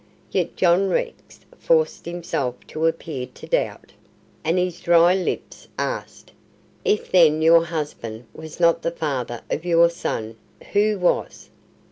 Yet John Rex forced himself to appear to doubt, and his dry lips asked, "If then your husband was not the father of your son, who was?"